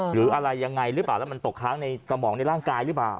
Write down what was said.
หรืออะไรยังไงหรือเปล่าแล้วมันตกค้างในสมองในร่างกายหรือเปล่า